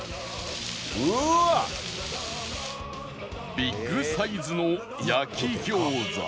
ビッグサイズの焼き餃子